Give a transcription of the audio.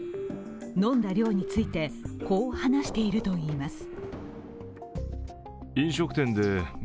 飲んだ量について、こう話しているといいます。